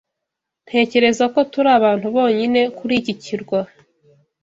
Ntekereza ko turi abantu bonyine kuri iki kirwa.